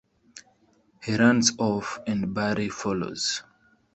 He runs off and Barry follows.